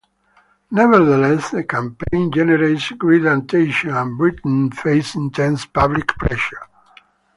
Nevertheless, the campaign generates great attention, and Britain faces intense public pressure.